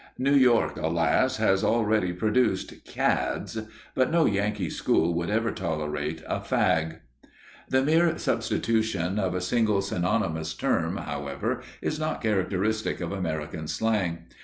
New York, alas, has already produced "cads," but no Yankee school would ever tolerate a "fag." The mere substitution of a single synonymous term, however, is not characteristic of American slang.